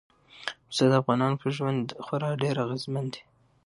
پسه د افغانانو په ژوند خورا ډېر اغېزمن دی.